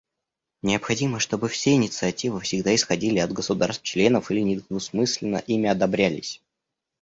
Необходимо, чтобы все инициативы всегда исходили от государств-членов или недвусмысленно ими одобрялись.